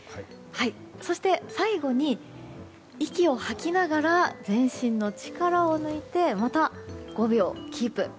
そして最後に息を吐きながら全身の力を抜いてまた５秒キープ。